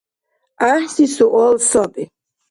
ГӀяхӀси суал саби.